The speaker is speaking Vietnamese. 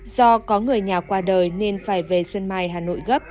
do có người nhà qua đời nên phải về xuân mai hà nội gấp